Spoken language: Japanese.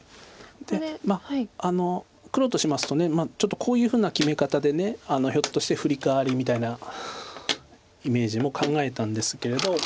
まあ黒としますとちょっとこういうふうな決め方でひょっとしてフリカワリみたいなイメージも考えたんですけれど。